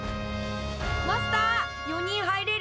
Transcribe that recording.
マスター４人入れる？